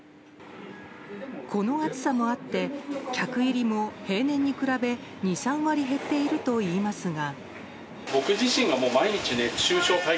この暑さもあって客入りも平年に比べ２３割減っているといいますが。